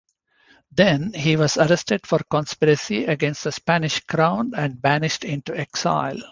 Then, he was arrested for conspiracy against the Spanish crown and banished into exile.